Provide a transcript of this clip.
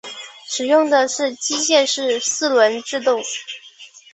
使用的是机械式四轮制动。